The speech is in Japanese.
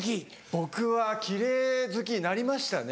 僕は奇麗好きになりましたね。